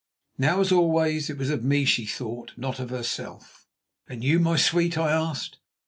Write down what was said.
Now as always it was of me she thought, not of herself. "And you, my sweet?" I asked.